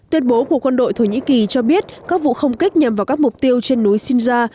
tuyên bố của quân đội thổ nhĩ kỳ cho biết các vụ không kích nhằm vào các mục tiêu trên núi shinza